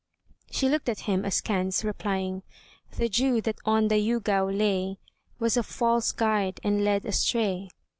She looked at him askance, replying: "The dew that on the Yûgao lay, Was a false guide and led astray."